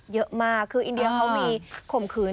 เยอะมากคืออินเดียเขามีข่มขืน